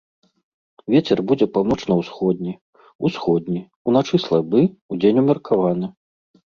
Вецер будзе паўночна-ўсходні, усходні, уначы слабы, удзень умеркаваны.